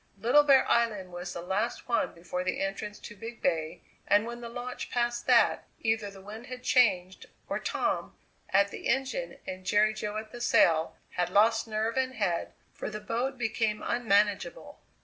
Little Bear Island was the last one before the entrance to Big Bay, and when the launch passed that, either the wind had changed, or Tom, at the engine and Jerry Jo at the sail, had lost nerve and head, for the boat became unmanageable.